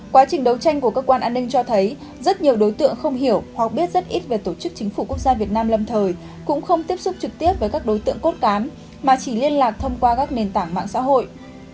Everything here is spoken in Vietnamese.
quá trình đấu tranh của cơ quan an ninh cho thấy rất nhiều đối tượng không hiểu hoặc biết rất ít về tổ chức chính phủ quốc gia việt nam lâm thời cũng không tiếp xúc trực tiếp với các đối tượng cốt cán mà chỉ liên lạc thông qua các nền tảng mạng xã hội